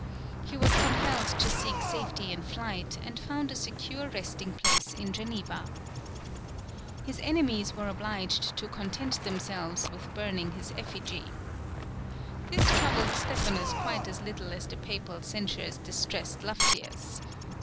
He was compelled to seek safety in flight, and found a secure resting place in Geneva. His enemies were obliged to content themselves with burning his effigy. This troubled Stephanus quite as little as the Papal censures distressed Lufftius.